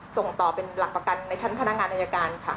ส่งต่อเป็นหลักประกันในชั้นพนักงานอายการค่ะ